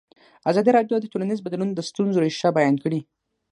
ازادي راډیو د ټولنیز بدلون د ستونزو رېښه بیان کړې.